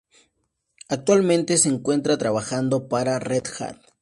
Actualmente se encuentra trabajando para Red Hat.